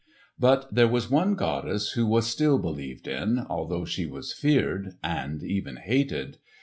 But there was one goddess who was still believed in, although she was feared and even hated.